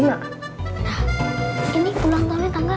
nah ini ulang tahunnya tanggal dua puluh lima